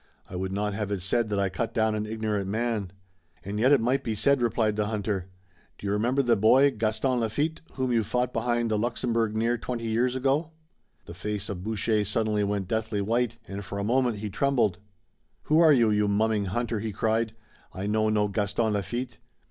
I would not have it said that I cut down an ignorant man." "And yet it might be said," replied the hunter. "Do you remember the boy, Gaston Lafitte, whom you fought behind the Luxembourg near twenty years ago?" The face of Boucher suddenly went deathly white, and, for a moment, he trembled. "Who are you, you mumming hunter?" he cried. "I know no Gaston Lafitte."